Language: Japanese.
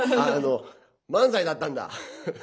漫才だったんだ！